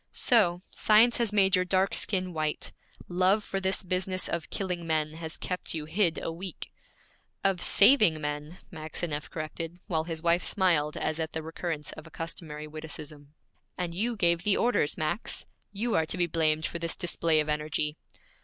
'So! Science has made your dark skin white; love for this business of killing men has kept you hid a week.' 'Of saving men,' Maxineff corrected, while his wife smiled as at the recurrence of a customary witticism. 'And you gave the orders, Max! You are to be blamed for this display of energy.'